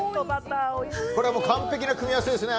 これは完璧な組み合わせですね。